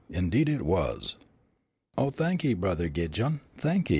Indeed it was." "Oh, thanky, Brothah Gidjon, thanky."